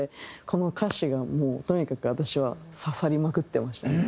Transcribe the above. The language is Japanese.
この歌詞がもうとにかく私は刺さりまくってましたね。